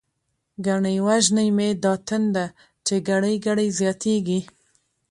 ګنی وژنی می دا تنده، چی ګړۍ ګړۍ زياتيږی